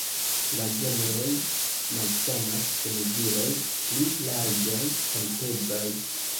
La genroj malsamas kun viroj pli larĝaj kaj pezaj.